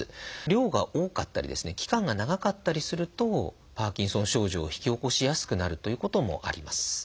量が多かったりですね期間が長かったりするとパーキンソン症状を引き起こしやすくなるということもあります。